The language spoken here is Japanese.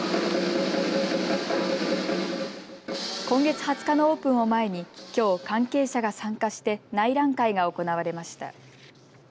今月２０日のオープンを前にきょう、関係者が参加して内覧会が行われました。